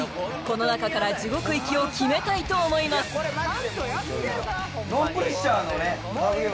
この中から地獄行きを決めたいと思いますねえ！